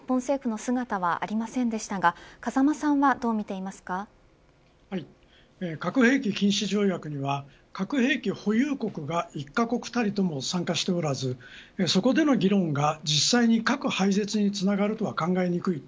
核兵器禁止条約の会議に日本政府の姿はありませんでしたが核兵器禁止条約には核兵器保有国が１カ国たりとも参加しておらずそこでの議論が実際に核廃絶につながるとは考えにくい。